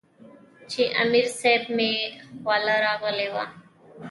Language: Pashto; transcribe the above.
چې امير صېب مې خواله راغلے وۀ -